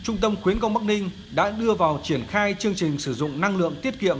trung tâm khuyến công bắc ninh đã đưa vào triển khai chương trình sử dụng năng lượng tiết kiệm